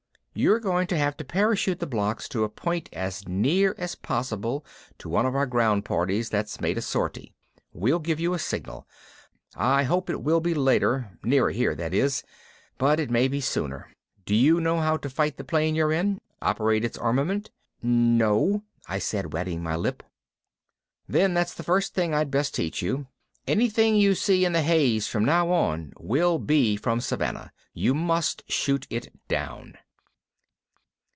You're going to have to parachute the blocks to a point as near as possible to one of our ground parties that's made a sortie. We'll give you a signal. I hope it will be later nearer here, that is but it may be sooner. Do you know how to fight the plane you're in? Operate its armament?" "No," I said, wetting my lip. "Then that's the first thing I'd best teach you. Anything you see in the haze from now on will be from Savannah. You must shoot it down."